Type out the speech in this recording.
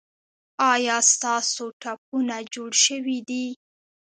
ایا ستاسو ټپونه جوړ شوي دي؟